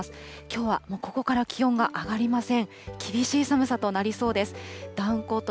きょうはここから気温が上がりません。